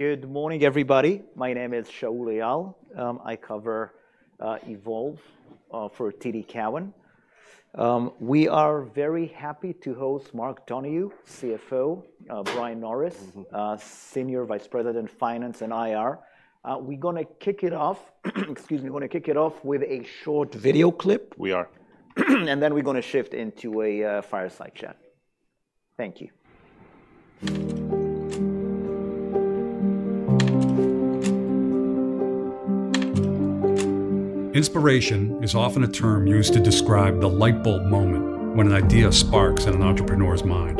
Good morning, everybody. My name is Shaul Eyal. I cover Evolv for TD Cowen. We are very happy to host Mark Donohue, CFO, Brian Norris- Mm-hmm. Senior Vice President, Finance and IR. We're gonna kick it off, excuse me, we're gonna kick it off with a short video clip. We are. Then we're gonna shift into a fireside chat. Thank you. Inspiration is often a term used to describe the light bulb moment when an idea sparks in an entrepreneur's mind.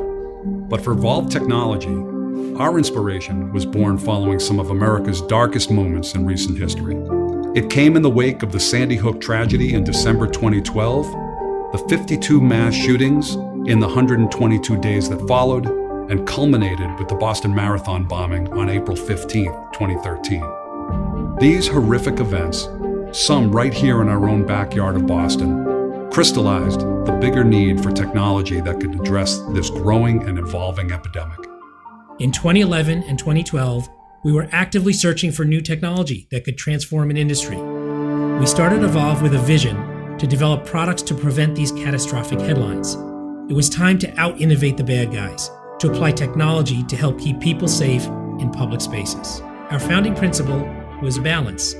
But for Evolv Technology, our inspiration was born following some of America's darkest moments in recent history. It came in the wake of the Sandy Hook tragedy in December 2012, the 52 mass shootings in the 122 days that followed, and culminated with the Boston Marathon bombing on April 15th, 2013. These horrific events, some right here in our own backyard of Boston, crystallized the bigger need for technology that could address this growing and evolving epidemic. In 2011 and 2012, we were actively searching for new technology that could transform an industry. We started Evolv with a vision to develop products to prevent these catastrophic headlines. It was time to out-innovate the bad guys, to apply technology to help keep people safe in public spaces. Our founding principle was balance.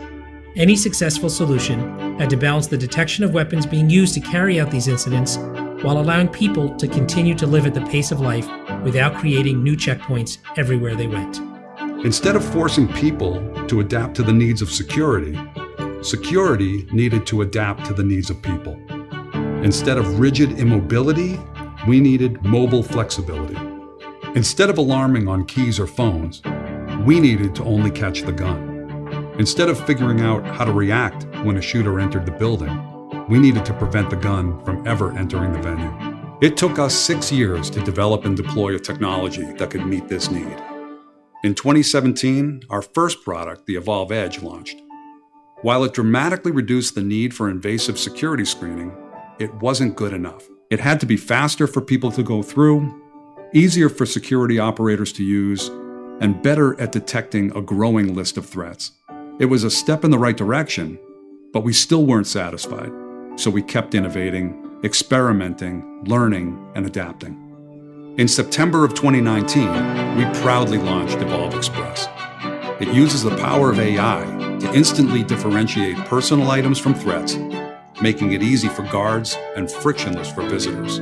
Any successful solution had to balance the detection of weapons being used to carry out these incidents, while allowing people to continue to live at the pace of life without creating new checkpoints everywhere they went. Instead of forcing people to adapt to the needs of security, security needed to adapt to the needs of people. Instead of rigid immobility, we needed mobile flexibility. Instead of alarming on keys or phones, we needed to only catch the gun. Instead of figuring out how to react when a shooter entered the building, we needed to prevent the gun from ever entering the venue. It took us 6 years to develop and deploy a technology that could meet this need. In 2017, our first product, the Evolv Edge, launched. While it dramatically reduced the need for invasive security screening, it wasn't good enough. It had to be faster for people to go through, easier for security operators to use, and better at detecting a growing list of threats. It was a step in the right direction, but we still weren't satisfied, so we kept innovating, experimenting, learning, and adapting. In September of 2019, we proudly launched Evolv Express. It uses the power of AI to instantly differentiate personal items from threats, making it easy for guards and frictionless for visitors.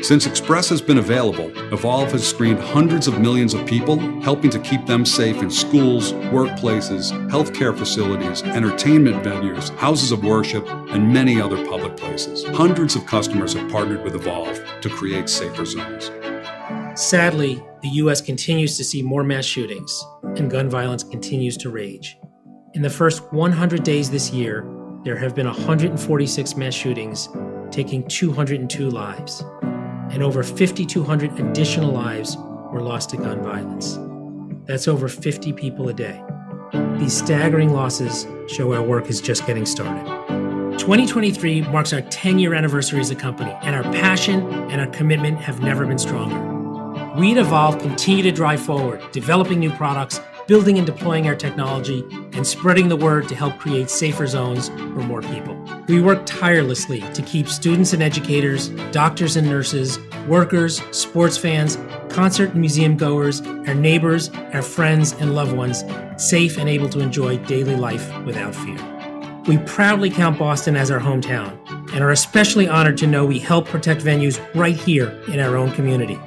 Since Express has been available, Evolv has screened hundreds of millions of people, helping to keep them safe in schools, workplaces, healthcare facilities, entertainment venues, houses of worship, and many other public places. Hundreds of customers have partnered with Evolv to create safer zones. Sadly, the U.S. continues to see more mass shootings, and gun violence continues to rage. In the first 100 days this year, there have been 146 mass shootings, taking 202 lives, and over 5,200 additional lives were lost to gun violence. That's over 50 people a day. These staggering losses show our work is just getting started. 2023 marks our 10-year anniversary as a company, and our passion and our commitment have never been stronger. We at Evolv continue to drive forward, developing new products, building and deploying our technology, and spreading the word to help create safer zones for more people. We work tirelessly to keep students and educators, doctors and nurses, workers, sports fans, concert and museum goers, our neighbors, our friends, and loved ones safe and able to enjoy daily life without fear. We proudly count Boston as our hometown and are especially honored to know we help protect venues right here in our own community.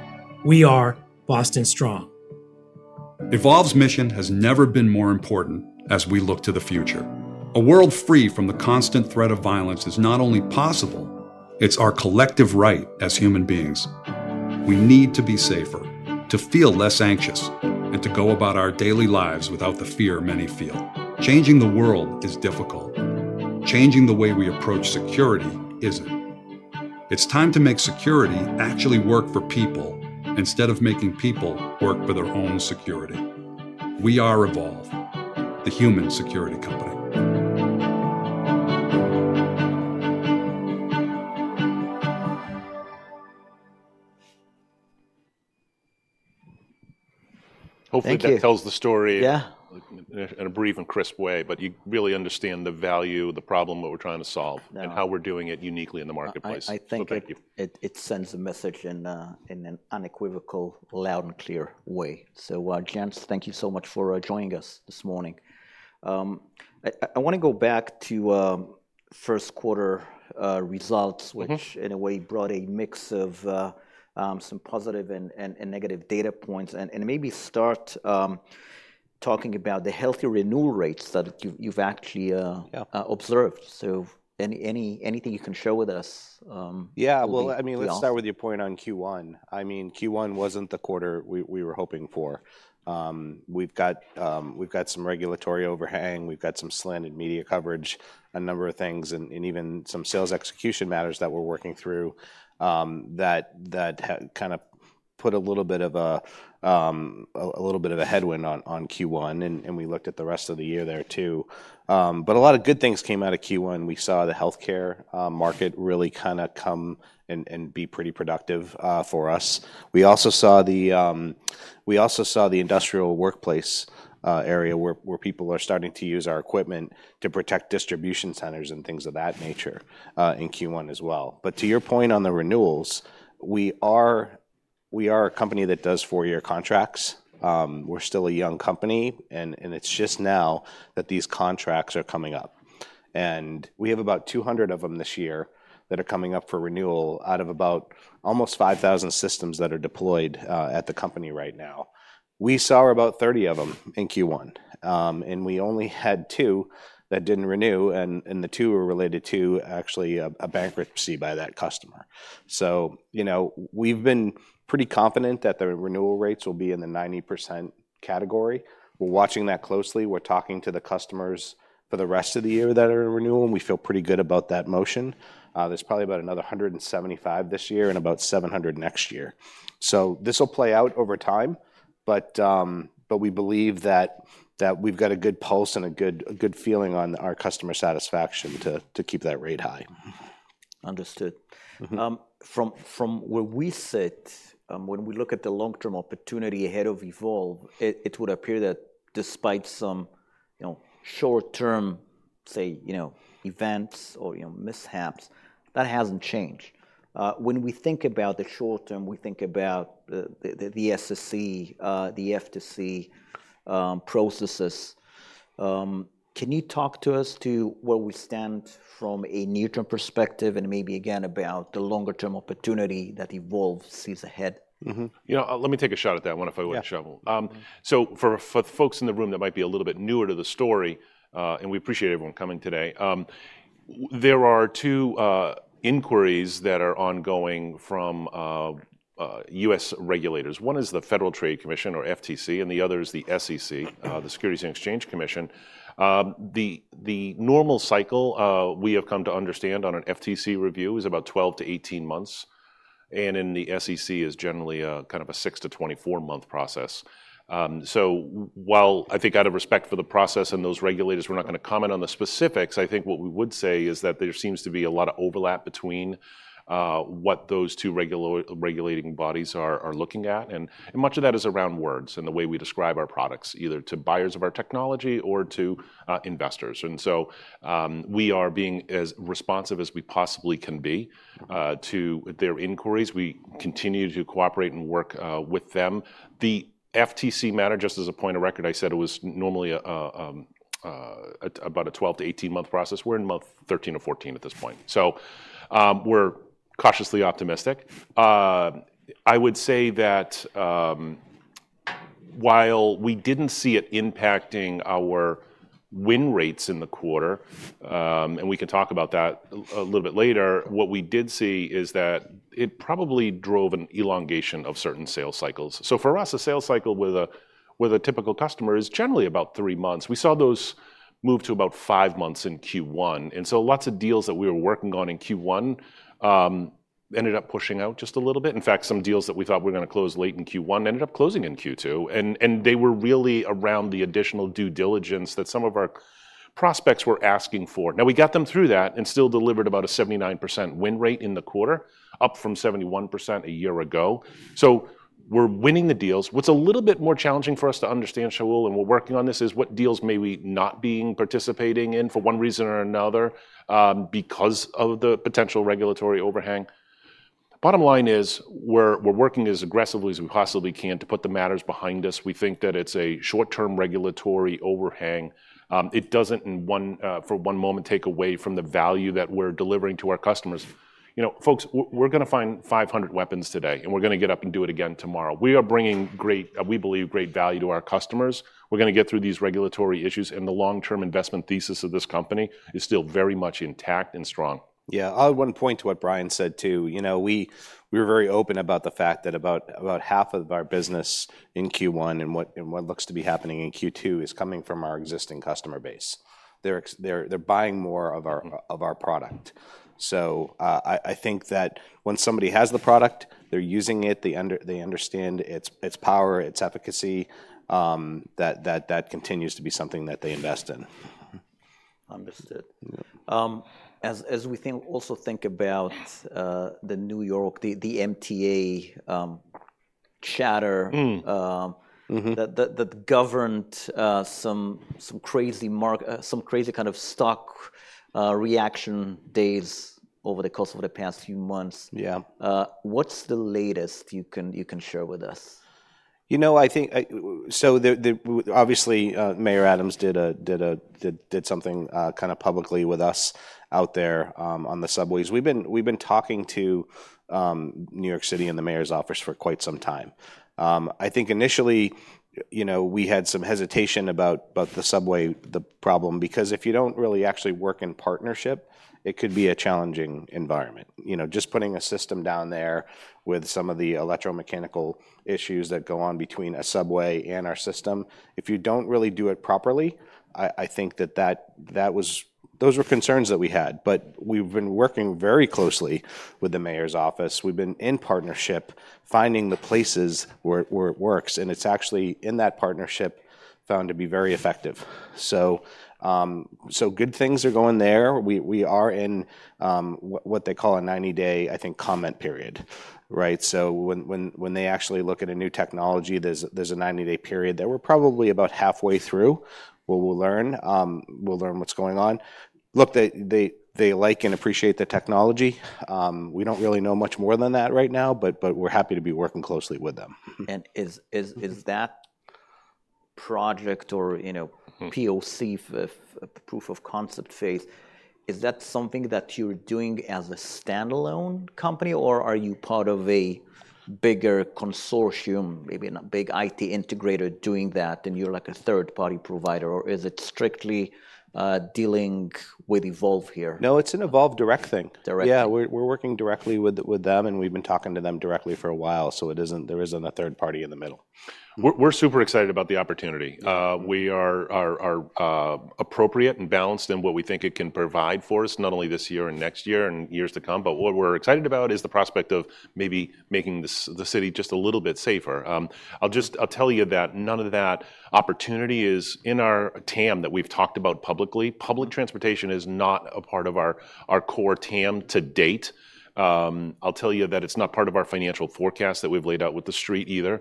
We are Boston Strong. Evolv's mission has never been more important as we look to the future. A world free from the constant threat of violence is not only possible, it's our collective right as human beings. We need to be safer, to feel less anxious, and to go about our daily lives without the fear many feel. Changing the world is difficult. Changing the way we approach security isn't. It's time to make security actually work for people instead of making people work for their own security. We are Evolv, the human security company. Thank you. Hopefully, that tells the story- Yeah ... in a brief and crisp way, but you really understand the value of the problem that we're trying to solve- Yeah... and how we're doing it uniquely in the marketplace. I think it- Thank you.... it sends a message in an unequivocal, loud, and clear way. So, gents, thank you so much for joining us this morning. I wanna go back to first quarter results- Mm-hmm... which in a way brought a mix of some positive and negative data points, and maybe start talking about the healthy renewal rates that you've actually... Yeah... observed. So anything you can share with us, will be- Yeah. Well, I mean, let's start with your point on Q1. I mean, Q1 wasn't the quarter we were hoping for. We've got some regulatory overhang, we've got some slanted media coverage, a number of things, and even some sales execution matters that we're working through, that kind of put a little bit of a headwind on Q1, and we looked at the rest of the year there, too. But a lot of good things came out of Q1. We saw the healthcare market really kinda come and be pretty productive for us. We also saw the... We also saw the industrial workplace area where people are starting to use our equipment to protect distribution centers and things of that nature in Q1 as well. But to your point on the renewals, we are a company that does 4-year contracts. We're still a young company, and it's just now that these contracts are coming up. We have about 200 of them this year that are coming up for renewal out of about almost 5,000 systems that are deployed at the company right now. We saw about 30 of them in Q1, and we only had two that didn't renew, and the two were related to actually a bankruptcy by that customer. So, you know, we've been pretty confident that the renewal rates will be in the 90% category. We're watching that closely. We're talking to the customers for the rest of the year that are in renewal, and we feel pretty good about that motion. There's probably about another 175 this year and about 700 next year. So this will play out over time, but we believe that we've got a good pulse and a good feeling on our customer satisfaction to keep that rate high. Understood. Mm-hmm. From where we sit, when we look at the long-term opportunity ahead of Evolv, it would appear that despite some, you know, short-term, say, you know, events or, you know, mishaps, that hasn't changed. When we think about the short term, we think about the SEC, the FTC processes. Can you talk to us to where we stand from a near-term perspective, and maybe again, about the longer-term opportunity that Evolv sees ahead? Mm-hmm. You know, let me take a shot at that one, if I would, Shaul. Yeah. So for, for the folks in the room that might be a little bit newer to the story, and we appreciate everyone coming today, there are two inquiries that are ongoing from US regulators. One is the Federal Trade Commission, or FTC, and the other is the SEC, the Securities and Exchange Commission. The, the normal cycle we have come to understand on an FTC review is about 12-18 months, and in the SEC, is generally a kind of a 6-24-month process. While I think out of respect for the process and those regulators, we're not gonna comment on the specifics, I think what we would say is that there seems to be a lot of overlap between what those two regulating bodies are looking at, and much of that is around words and the way we describe our products, either to buyers of our technology or to investors. We are being as responsive as we possibly can be to their inquiries. We continue to cooperate and work with them. The FTC matter, just as a point of record, I said it was normally about a 12-18-month process. We're in month 13 or 14 at this point, so we're cautiously optimistic. I would say that, while we didn't see it impacting our win rates in the quarter, and we can talk about that a little bit later, what we did see is that it probably drove an elongation of certain sales cycles. So for us, a sales cycle with a typical customer is generally about three months. We saw those move to about five months in Q1, and so lots of deals that we were working on in Q1 ended up pushing out just a little bit. In fact, some deals that we thought were gonna close late in Q1 ended up closing in Q2, and they were really around the additional due diligence that some of our prospects were asking for. Now, we got them through that and still delivered about a 79% win rate in the quarter, up from 71% a year ago. So we're winning the deals. What's a little bit more challenging for us to understand, Shaul, and we're working on this, is what deals may we not be participating in for one reason or another, because of the potential regulatory overhang. Bottom line is, we're working as aggressively as we possibly can to put the matters behind us. We think that it's a short-term regulatory overhang. It doesn't in one, for one moment take away from the value that we're delivering to our customers. You know, folks, we're gonna find 500 weapons today, and we're gonna get up and do it again tomorrow. We are bringing great, we believe, great value to our customers. We're gonna get through these regulatory issues, and the long-term investment thesis of this company is still very much intact and strong. Yeah, I would point to what Brian said, too. You know, we're very open about the fact that about half of our business in Q1 and what looks to be happening in Q2 is coming from our existing customer base. They're, they're buying more of our- Mm... of our product. So, I think that when somebody has the product, they're using it, they understand its power, its efficacy, that continues to be something that they invest in. Understood. Yeah. As we also think about the New York MTA chatter- Mm. Mm-hmm... that governed some crazy kind of stock reaction days over the course of the past few months. Yeah. What's the latest you can share with us? You know, I think, obviously, Mayor Adams did something kind of publicly with us out there on the subways. We've been talking to New York City and the mayor's office for quite some time. I think initially, you know, we had some hesitation about the subway problem, because if you don't really actually work in partnership, it could be a challenging environment. You know, just putting a system down there with some of the electromechanical issues that go on between a subway and our system, if you don't really do it properly, I think those were concerns that we had, but we've been working very closely with the mayor's office. We've been in partnership, finding the places where it works, and it's actually, in that partnership, found to be very effective. So, good things are going there. We are in what they call a 90-day, I think, comment period, right? So when they actually look at a new technology, there's a 90-day period that we're probably about halfway through, where we'll learn what's going on. Look, they like and appreciate the technology. We don't really know much more than that right now, but we're happy to be working closely with them. Is that project or, you know- Mm... POC, proof of concept phase, is that something that you're doing as a standalone company, or are you part of a bigger consortium, maybe in a big IT integrator doing that, and you're like a third-party provider, or is it strictly, dealing with Evolv here? No, it's an Evolv direct thing. Direct. Yeah, we're working directly with them, and we've been talking to them directly for a while, so there isn't a third party in the middle. We're super excited about the opportunity. We are appropriate and balanced in what we think it can provide for us, not only this year and next year, and years to come, but what we're excited about is the prospect of maybe making the city just a little bit safer. I'll tell you that none of that opportunity is in our TAM that we've talked about publicly. Public transportation is not a part of our core TAM to date. I'll tell you that it's not part of our financial forecast that we've laid out with the Street either.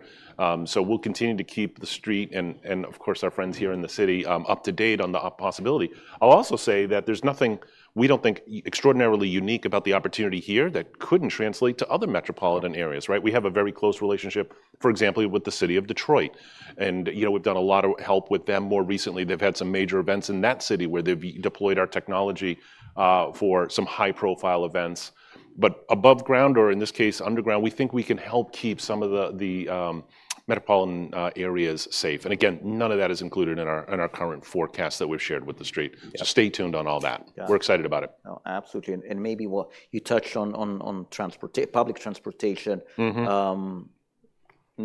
So we'll continue to keep the Street and, of course, our friends here in the city, up to date on the possibility. I'll also say that there's nothing, we don't think, extraordinarily unique about the opportunity here that couldn't translate to other metropolitan areas, right? We have a very close relationship, for example, with the City of Detroit, and, you know, we've done a lot of help with them more recently. They've had some major events in that city where they've deployed our technology, for some high-profile events. But above ground, or in this case, underground, we think we can help keep some of the metropolitan areas safe. And again, none of that is included in our, in our current forecast that we've shared with The Street. Yeah. Stay tuned on all that. Yeah. We're excited about it. No, absolutely, and maybe what you touched on, on public transportation- Mm-hmm...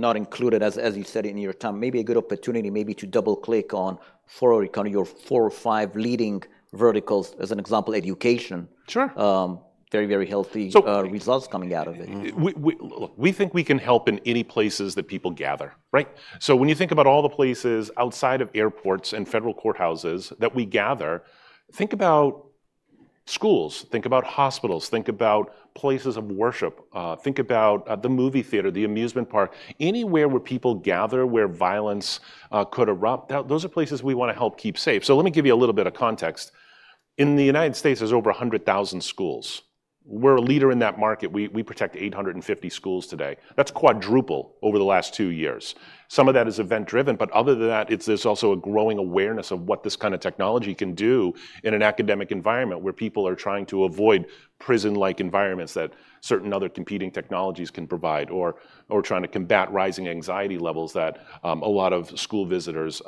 not included, as, as you said, in your term, maybe a good opportunity, maybe to double-click on four of your, kind of your four or five leading verticals, as an example, education. Sure. Very, very healthy- So-... results coming out of it. Mm-hmm. Look, we think we can help in any places that people gather, right? So when you think about all the places outside of airports and federal courthouses that we gather, think about schools, think about hospitals, think about places of worship, think about the movie theater, the amusement park, anywhere where people gather, where violence could erupt, those are places we wanna help keep safe. So let me give you a little bit of context. In the United States, there's over 100,000 schools. We're a leader in that market. We protect 850 schools today. That's quadruple over the last two years. Some of that is event-driven, but other than that, it's, there's also a growing awareness of what this kind of technology can do in an academic environment, where people are trying to avoid prison-like environments that certain other competing technologies can provide, or, or trying to combat rising anxiety levels that a lot of school visitors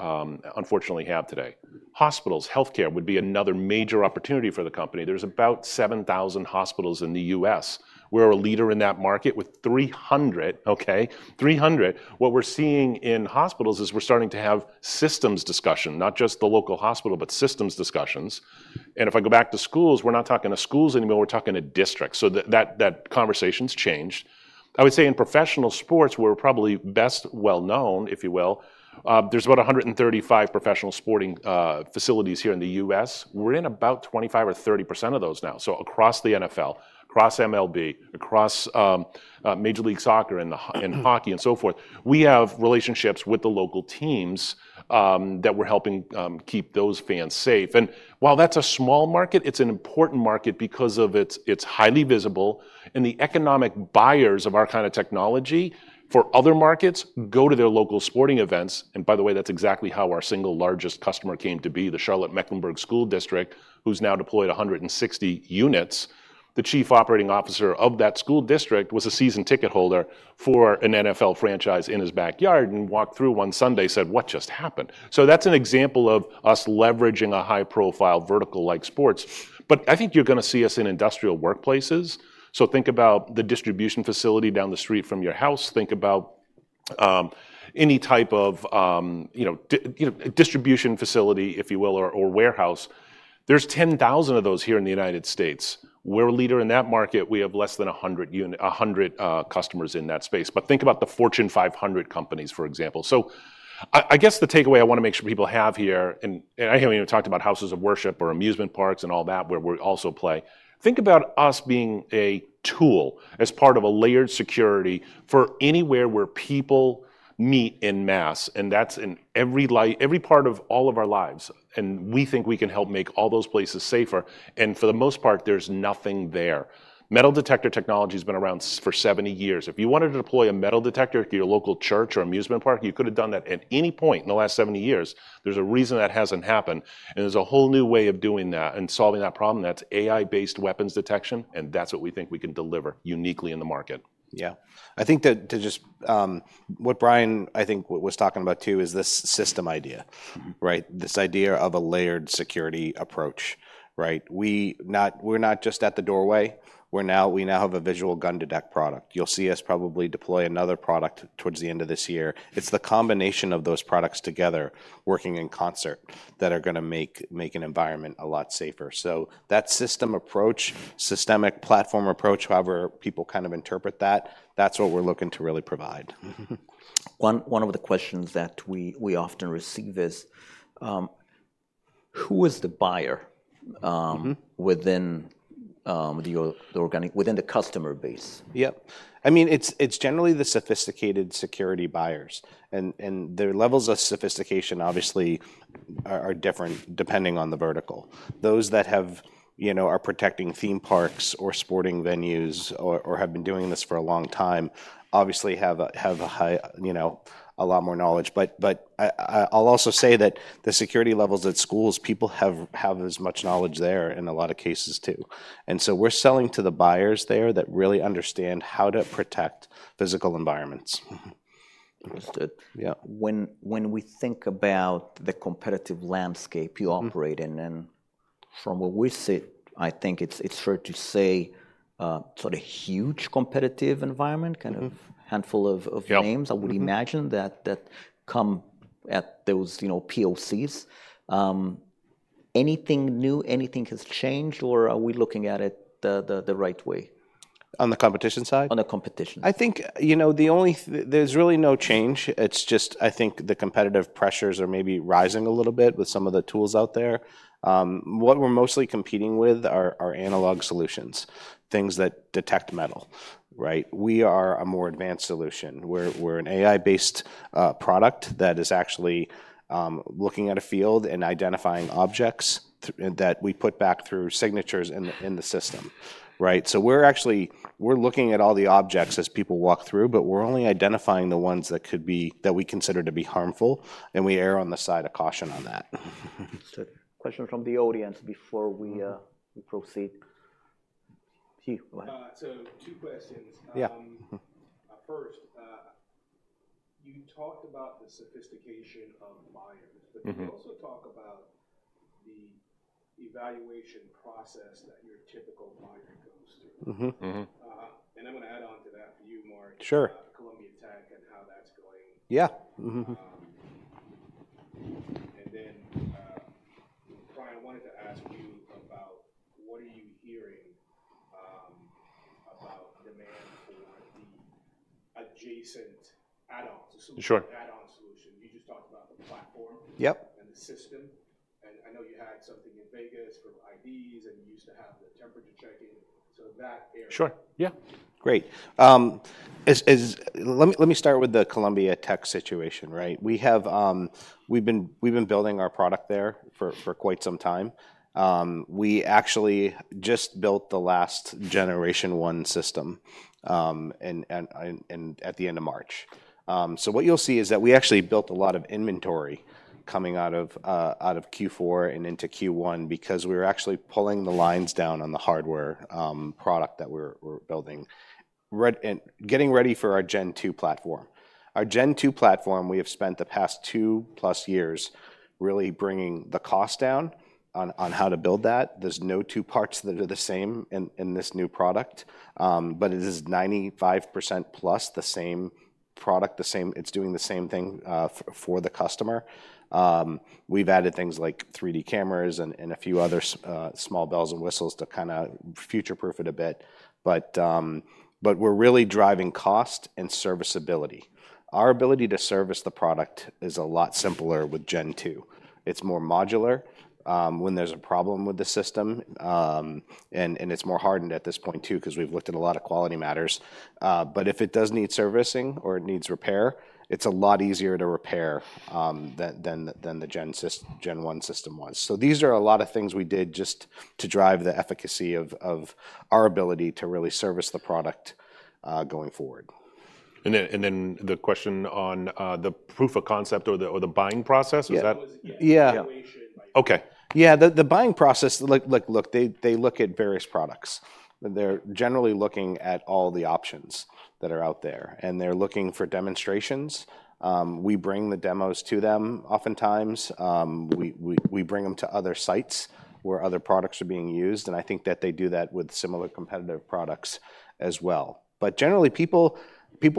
unfortunately have today. Hospitals, healthcare would be another major opportunity for the company. There's about 7,000 hospitals in the U.S. We're a leader in that market with 300, okay, 300. What we're seeing in hospitals is we're starting to have systems discussion, not just the local hospital, but systems discussions. And if I go back to schools, we're not talking to schools anymore, we're talking to districts, so that, that, that conversation's changed. I would say in professional sports, we're probably best well-known, if you will. There's about 135 professional sporting facilities here in the U.S. We're in about 25 or 30% of those now, so across the NFL, across MLB, across Major League Soccer and in hockey and so forth. We have relationships with the local teams that we're helping keep those fans safe. And while that's a small market, it's an important market because it's highly visible, and the economic buyers of our kind of technology for other markets go to their local sporting events, and by the way, that's exactly how our single largest customer came to be, the Charlotte-Mecklenburg School District, who's now deployed 160 units. The chief operating officer of that school district was a season ticket holder for an NFL franchise in his backyard and walked through one Sunday, said, "What just happened?" So that's an example of us leveraging a high-profile vertical like sports. But I think you're gonna see us in industrial workplaces, so think about the distribution facility down the street from your house. Think about any type of, you know, distribution facility, if you will, or, or warehouse. There's 10,000 of those here in the United States. We're a leader in that market. We have less than a hundred a hundred, customers in that space. But think about the Fortune 500 companies, for example. So I guess the takeaway I wanna make sure people have here, and I haven't even talked about houses of worship or amusement parks and all that, where we're also playing, think about us being a tool as part of a layered security for anywhere where people meet en masse, and that's in every every part of all of our lives, and we think we can help make all those places safer, and for the most part, there's nothing there. Metal detector technology's been around for 70 years. If you wanted to deploy a metal detector to your local church or amusement park, you could've done that at any point in the last 70 years. There's a reason that hasn't happened, and there's a whole new way of doing that and solving that problem. That's AI-based weapons detection, and that's what we think we can deliver uniquely in the market. Yeah. I think that to just what Brian, I think, was talking about, too, is this system idea, right? This idea of a layered security approach, right? We're not just at the doorway, we now have a visual gun detect product. You'll see us probably deploy another product towards the end of this year. It's the combination of those products together, working in concert, that are gonna make an environment a lot safer. So that system approach, systemic platform approach, however people kind of interpret that, that's what we're looking to really provide. One of the questions that we often receive is, who is the buyer? Mm-hmm within the organic, within the customer base? Yep. I mean, it's generally the sophisticated security buyers, and their levels of sophistication, obviously, are different depending on the vertical. Those that have, you know, are protecting theme parks or sporting venues or have been doing this for a long time, obviously, have a high, you know, a lot more knowledge. But I, I'll also say that the security levels at schools, people have as much knowledge there in a lot of cases, too. And so we're selling to the buyers there that really understand how to protect physical environments. Mm-hmm. Understood. Yeah. When we think about the competitive landscape- Mm you operate in, and from what we see, I think it's fair to say sort of huge competitive environment. Mm-hmm kind of handful of names. Yep. Mm-hmm. I would imagine that that come at those, you know, POCs. Anything new, anything has changed, or are we looking at it the right way? On the competition side? On the competition. I think, you know, the only... There's really no change. It's just, I think, the competitive pressures are maybe rising a little bit with some of the tools out there. What we're mostly competing with are analog solutions, things that detect metal, right? We are a more advanced solution. We're an AI-based product that is actually looking at a field and identifying objects that we put back through signatures in the system, right? So we're actually looking at all the objects as people walk through, but we're only identifying the ones that we consider to be harmful, and we err on the side of caution on that. Question from the audience before we proceed. He, go ahead. So two questions. Yeah. Mm-hmm. First, you talked about the sophistication of buyers. Mm-hmm. Could you also talk about the evaluation process that your typical buyer goes through? Mm-hmm. Mm-hmm. I'm gonna add on to that for you, Mark- Sure Columbia Tech and how that's going? Yeah. Mm-hmm. And then, Brian, I wanted to ask you about what are you hearing about demand for the adjacent add-ons- Sure solution, add-on solution. You just talked about the platform- Yep and the system, and I know you had something in Vegas for IDs, and you used to have the temperature checking, so that area. Sure, yeah. Great. Let me start with the Columbia Tech situation, right? We've been building our product there for quite some time. We actually just built the last Gen 1 system and at the end of March. So what you'll see is that we actually built a lot of inventory coming out of Q4 and into Q1 because we were actually pulling the lines down on the hardware product that we're building. Right, and getting ready for our Gen 2 platform. Our Gen 2 platform, we have spent the past 2+ years really bringing the cost down on how to build that. There's no two parts that are the same in this new product, but it is 95% plus the same product, the same—it's doing the same thing for the customer. We've added things like 3D cameras and a few other small bells and whistles to kind of future-proof it a bit, but we're really driving cost and serviceability. Our ability to service the product is a lot simpler with Gen 2. It's more modular when there's a problem with the system, and it's more hardened at this point, too, 'cause we've looked at a lot of quality matters. But if it does need servicing or it needs repair, it's a lot easier to repair than the Gen 1 system was. So these are a lot of things we did just to drive the efficacy of our ability to really service the product going forward. Then the question on the proof of concept or the buying process, is that- Yeah. It was, yeah- Yeah -evaluation by- Okay. Yeah, the buying process... Look, they look at various products. They're generally looking at all the options that are out there, and they're looking for demonstrations. We bring the demos to them oftentimes. We bring them to other sites, where other products are being used, and I think that they do that with similar competitive products as well. But generally, people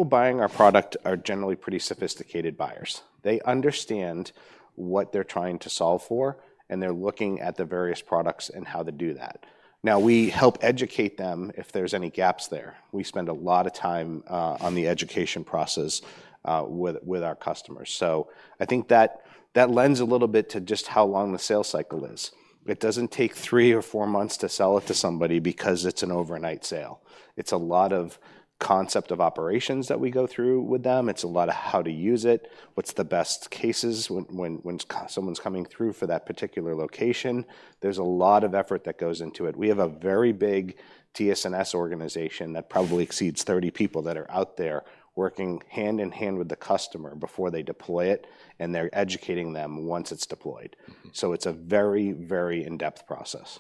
buying our product are generally pretty sophisticated buyers. They understand what they're trying to solve for, and they're looking at the various products and how to do that.... Now we help educate them if there's any gaps there. We spend a lot of time on the education process with our customers. So I think that lends a little bit to just how long the sales cycle is. It doesn't take three or four months to sell it to somebody because it's an overnight sale. It's a lot of concept of operations that we go through with them. It's a lot of how to use it, what's the best cases when, when, when someone's coming through for that particular location. There's a lot of effort that goes into it. We have a very big TS&S organization that probably exceeds 30 people that are out there working hand in hand with the customer before they deploy it, and they're educating them once it's deployed. Mm-hmm. It's a very, very in-depth process.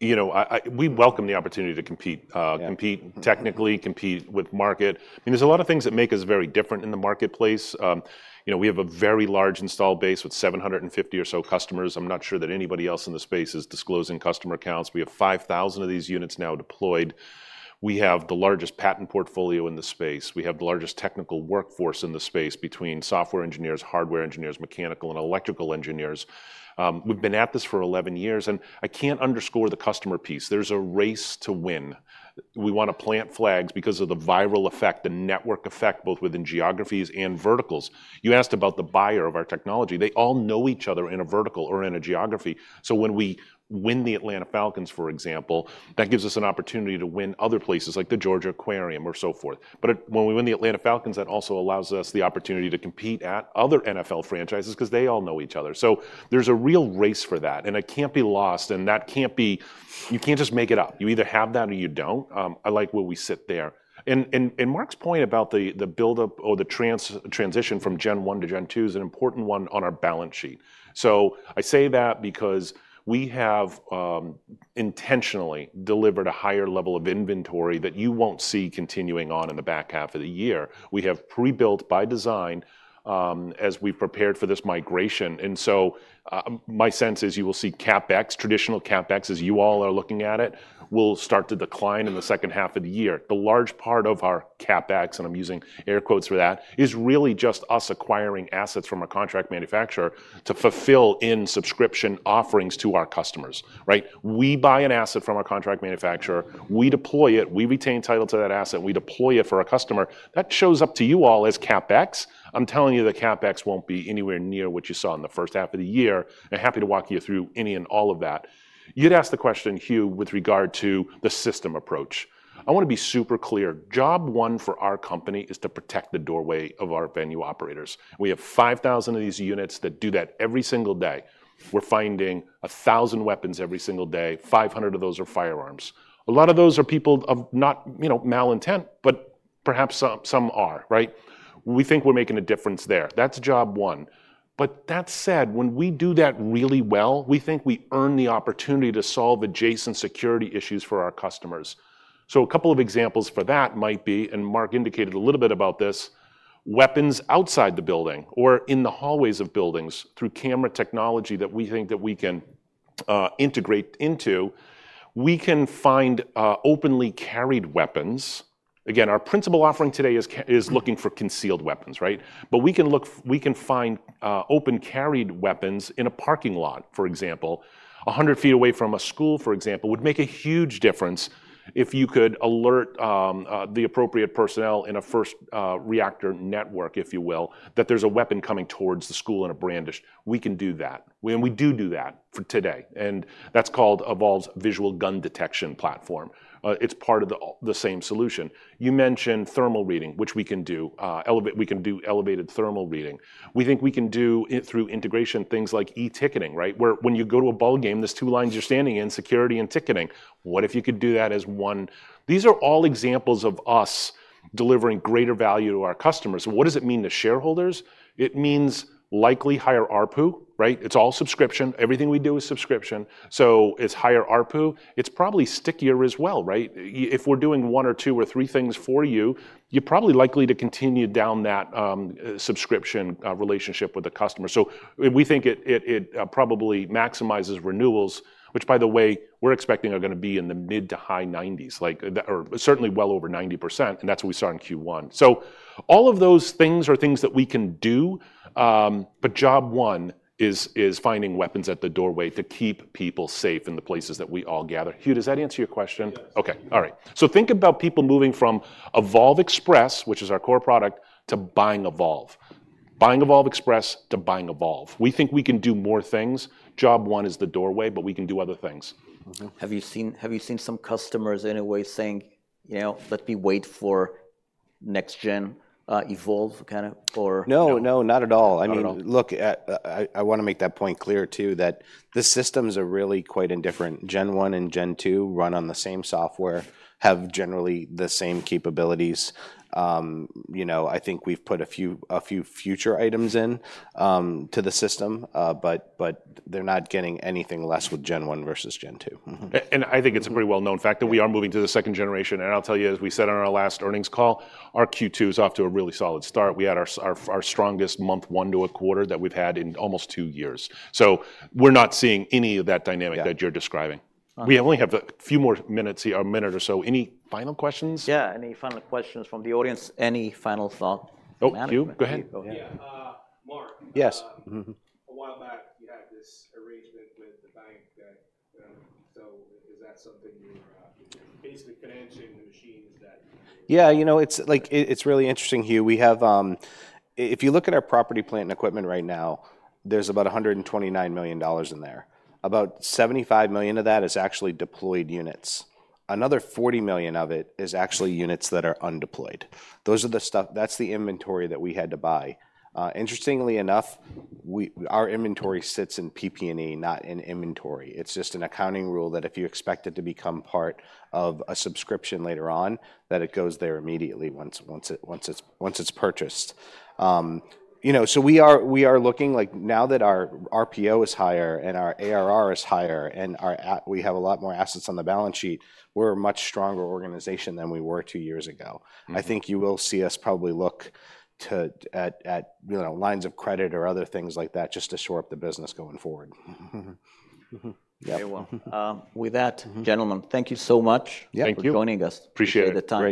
You know, we welcome the opportunity to compete. Yeah ...compete technically, compete with market. I mean, there's a lot of things that make us very different in the marketplace. You know, we have a very large installed base with 750 or so customers. I'm not sure that anybody else in the space is disclosing customer counts. We have 5,000 of these units now deployed. We have the largest patent portfolio in the space. We have the largest technical workforce in the space between software engineers, hardware engineers, mechanical and electrical engineers. We've been at this for 11 years, and I can't underscore the customer piece. There's a race to win. We want to plant flags because of the viral effect, the network effect, both within geographies and verticals. You asked about the buyer of our technology. They all know each other in a vertical or in a geography. So when we win the Atlanta Falcons, for example, that gives us an opportunity to win other places, like the Georgia Aquarium or so forth. But it, when we win the Atlanta Falcons, that also allows us the opportunity to compete at other NFL franchises 'cause they all know each other. So there's a real race for that, and it can't be lost, and that can't be... You can't just make it up. You either have that or you don't. I like where we sit there. And Mark's point about the build-up or the transition from Gen one to Gen two is an important one on our balance sheet. So I say that because we have intentionally delivered a higher level of inventory that you won't see continuing on in the back half of the year. We have pre-built, by design, as we've prepared for this migration. And so, my sense is you will see CapEx, traditional CapEx, as you all are looking at it, will start to decline in the second half of the year. The large part of our CapEx, and I'm using air quotes for that, is really just us acquiring assets from a contract manufacturer to fulfill in subscription offerings to our customers, right? We buy an asset from a contract manufacturer. We deploy it. We retain title to that asset, and we deploy it for a customer. That shows up to you all as CapEx. I'm telling you the CapEx won't be anywhere near what you saw in the first half of the year, and happy to walk you through any and all of that. You'd asked the question, Hugh, with regard to the system approach. Mm-hmm. I want to be super clear. Job one for our company is to protect the doorway of our venue operators. We have 5,000 of these units that do that every single day. We're finding 1,000 weapons every single day. 500 of those are firearms. A lot of those are people of not, you know, mal intent, but perhaps some, some are, right? We think we're making a difference there. That's job one. But that said, when we do that really well, we think we earn the opportunity to solve adjacent security issues for our customers. So a couple of examples for that might be, and Mark indicated a little bit about this, weapons outside the building or in the hallways of buildings through camera technology that we think that we can integrate into. We can find openly carried weapons. Again, our principal offering today is looking for concealed weapons, right? But we can look, we can find open carried weapons in a parking lot, for example. 100 feet away from a school, for example, would make a huge difference if you could alert the appropriate personnel in a first reactor network, if you will, that there's a weapon coming towards the school and a brandish. We can do that. We and we do do that for today, and that's called Evolv's Visual Gun Detection Platform. It's part of the same solution. You mentioned thermal reading, which we can do. We can do elevated thermal reading. We think we can do it through integration, things like e-ticketing, right? Where when you go to a ballgame, there's two lines you're standing in, security and ticketing. What if you could do that as one? These are all examples of us delivering greater value to our customers. What does it mean to shareholders? It means likely higher ARPU, right? It's all subscription. Everything we do is subscription, so it's higher ARPU. It's probably stickier as well, right? If we're doing one or two or three things for you, you're probably likely to continue down that, subscription, relationship with the customer. So we think it probably maximizes renewals, which, by the way, we're expecting are gonna be in the mid- to high 90s, like, the, or certainly well over 90%, and that's what we saw in Q1. So all of those things are things that we can do, but job one is finding weapons at the doorway to keep people safe in the places that we all gather. Hugh, does that answer your question? Yes. Okay. All right. So think about people moving from Evolv Express, which is our core product, to buying Evolv. Buying Evolv Express to buying Evolv. We think we can do more things. Job one is the doorway, but we can do other things. Mm-hmm. Have you seen, have you seen some customers in a way saying, "You know, let me wait for next gen, Evolv," kind of, or? No, no, not at all. Not at all. I mean, look, I wanna make that point clear, too, that the systems are really quite indifferent. Gen 1 and Gen 2 run on the same software, have generally the same capabilities. You know, I think we've put a few future items in to the system, but they're not getting anything less with Gen 1 versus Gen 2. Mm-hmm. I think it's a pretty well-known fact. Yeah... that we are moving to the second generation, and I'll tell you, as we said on our last earnings call, our Q2 is off to a really solid start. We had our strongest month one to a quarter that we've had in almost two years. So we're not seeing any of that dynamic- Yeah... that you're describing. Uh- We only have a few more minutes here, a minute or so. Any final questions? Yeah, any final questions from the audience? Any final thought from the management? Oh, Hugh, go ahead. Yeah, Mark? Yes. Mm-hmm. A while back, you had this arrangement with the bank that, so is that something you're basically financing the machines that- Yeah, you know, it's, like, it, it's really interesting, Hugh. We have, if you look at our property, plant, and equipment right now, there's about $129 million in there. About $75 million of that is actually deployed units. Another $40 million of it is actually units that are undeployed. That's the inventory that we had to buy. Interestingly enough, we, our inventory sits in PP&E, not in inventory. It's just an accounting rule that if you expect it to become part of a subscription later on, that it goes there immediately once it's purchased. You know, so we are, we are looking, like, now that our RPO is higher and our ARR is higher, and we have a lot more assets on the balance sheet, we're a much stronger organization than we were two years ago. Mm-hmm. I think you will see us probably look to, you know, lines of credit or other things like that, just to shore up the business going forward. Mm-hmm. Mm-hmm. Yeah. Very well. With that, gentlemen- Mm-hmm... thank you so much- Yeah. Thank you... for joining us- Appreciate it... at the time.